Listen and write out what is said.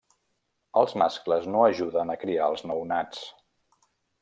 Els mascles no ajuden a criar els nounats.